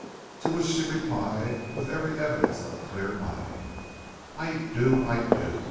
"To which she replied with every evidence of a clear mind "'I do; I do.